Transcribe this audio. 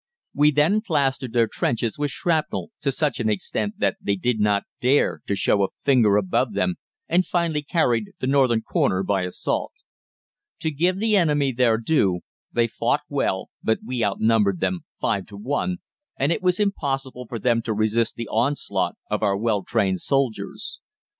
"We then plastered their trenches with shrapnel to such an extent that they did not dare to show a finger above them, and finally carried the northern corner by assault. To give the enemy their due, they fought well, but we outnumbered them five to one, and it was impossible for them to resist the onslaught of our well trained soldiers.